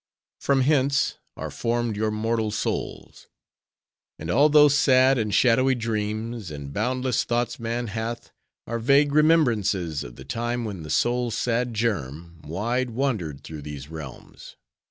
From hence, are formed your mortal souls; and all those sad and shadowy dreams, and boundless thoughts man hath, are vague remembrances of the time when the soul's sad germ, wide wandered through these realms.